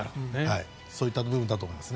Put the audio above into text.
そういった感じだと思います。